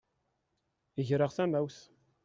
Greɣ tamawt.